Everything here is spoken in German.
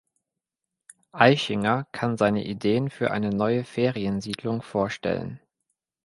Eichinger kann seine Ideen für eine neue Feriensiedlung vorstellen.